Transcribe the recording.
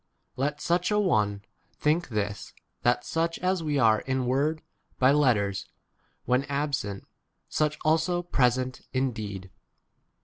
Let such a one think this, that such as we are in word by letters [when] absent, such also present 12 in deed.